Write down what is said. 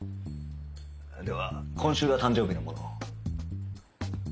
では今週が誕生日の者。